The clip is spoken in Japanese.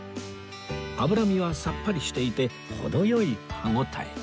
脂身はさっぱりしていて程良い歯応え